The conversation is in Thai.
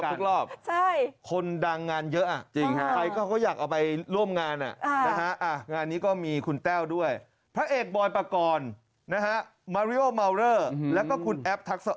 ทุกรอบใช่คนดังงานเยอะจริงฮะใครก็ค่อยอยากเอาไปร่วมงานน่ะ